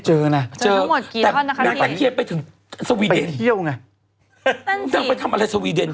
เค้าอาจจะติดต่อศึกษาถียังภายกับคนนี้ได้มั้ย